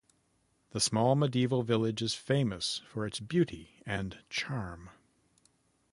The small medieval village is famous for its beauty and charm.